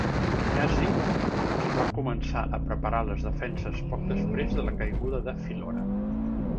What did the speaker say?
Niazi, qui va començar a preparar les defenses poc després de la caiguda de Phillora.